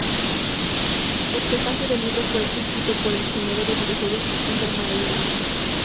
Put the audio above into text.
El prefacio del libro fue escrito por el diseñador de videojuegos Peter Molyneux.